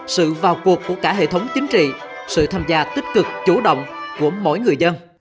sự vào cuộc của cả hệ thống chính trị sự tham gia tích cực chủ động của mỗi người dân